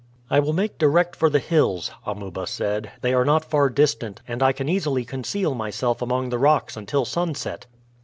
"I will make direct for the hills," Amuba said. "They are not far distant, and I can easily conceal myself among the rocks until sunset."